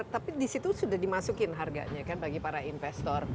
tapi disitu sudah dimasukin harganya kan bagi para investor